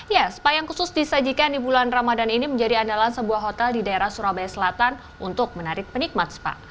ya spa yang khusus disajikan di bulan ramadan ini menjadi andalan sebuah hotel di daerah surabaya selatan untuk menarik penikmat spa